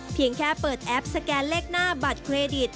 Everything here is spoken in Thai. เพียงแค่เปิดแอปสแกนเลขหน้าบัตรเครดิต